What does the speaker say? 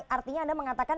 artinya anda mengatakan